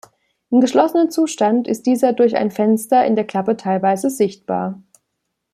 Im geschlossenen Zustand ist dieser durch ein Fenster in der Klappe teilweise sichtbar.